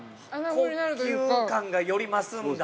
高級感がより増すんだ。